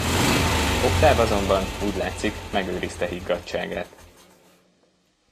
Oktáv azonban, úgy látszik, megőrizte higgadtságát.